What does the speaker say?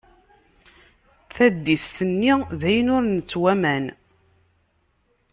Taddist-nni d ayen ur nettwaman.